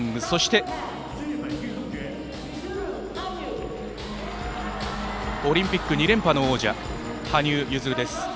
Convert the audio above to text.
そしてオリンピック２連覇の王者羽生結弦です。